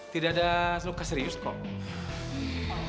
tidak ada luka serius kok